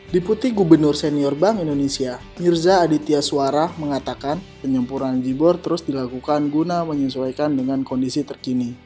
diputi gubernur senior bank indonesia firza aditya suara mengatakan penyempurnaan jibor terus dilakukan guna menyesuaikan dengan kondisi terkini